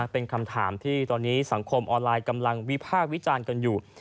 เป็นคำถามที่ตอนนี้สังคมออนไลน์กำลังวิพากษ์วิจารณ์กันอยู่